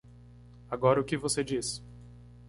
Agora o que você diz?